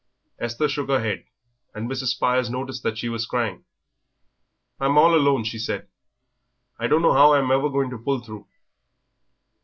Esther shook her head, and Mrs. Spires noticed that she was crying. "I'm all alone," she said; "I don't know 'ow I'm ever to pull through."